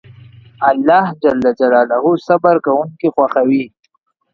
الله جل جلاله صبر کونکي خوښوي